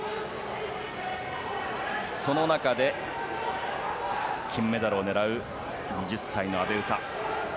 その中で金メダルを狙う２０歳の阿部詩。